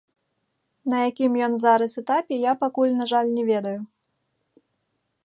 На якім ён зараз этапе, я пакуль, на жаль, не ведаю.